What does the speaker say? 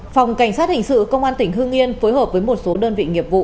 phòng cảnh sát hình sự công an tỉnh hương yên phối hợp với một số đơn vị nghiệp vụ